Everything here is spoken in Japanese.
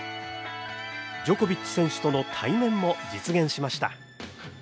ジョコビッチ選手との対面も実現しました。